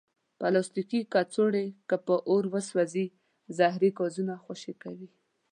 پلاستيکي کڅوړې که په اور وسوځي، زهري ګازونه خوشې کوي.